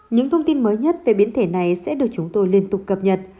những thông tin mới nhất về biến thể này sẽ được chúng tôi liên tục cập nhật